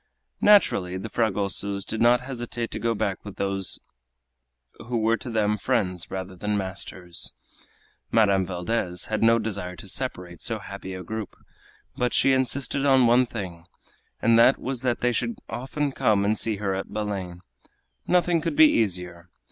Naturally the Fragosos did not hesitate to go back with those who were to them friends rather than masters. Madame Valdez had no desire to separate so happy a group, but she insisted on one thing, and that was that they should often come and see her at Belem. Nothing could be easier.